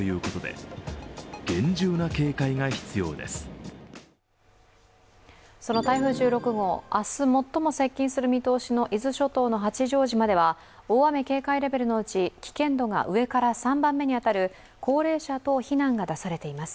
その台風１６号、明日最も接近する見通しの伊豆諸島の八丈島では大雨警戒レベルのうち、危険度が上から３番目に当たる高齢者等避難が出されています。